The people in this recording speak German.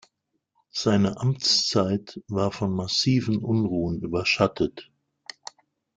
Seine Amtszeit war von massiven Unruhen überschattet.